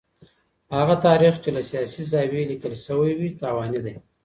هغه تاريخ چي له سياسي زاويې ليکل شوی وي تاواني دی.